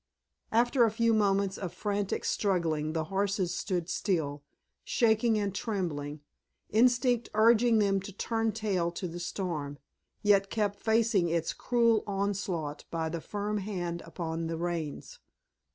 After a few moments of frantic struggling the horses stood still, shaking and trembling, instinct urging them to turn tail to the storm, yet kept facing its cruel onslaught by the firm hand upon the reins.